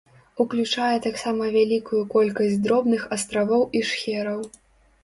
Уключае таксама вялікую колькасць дробных астравоў і шхераў.